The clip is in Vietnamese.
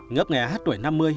ngớp nghèo hát tuổi năm mươi